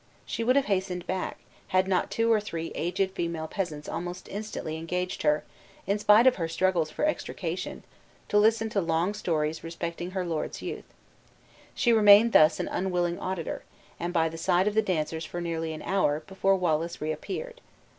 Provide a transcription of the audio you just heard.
She would have hastened back, had not two or three aged female peasants almost instantly engaged her, in spite of her struggles for extrication, to listen to long stories respecting her lord's youth. She remained thus an unwilling auditor, and by the side of the dancers for nearly an hour, before Wallace reappeared.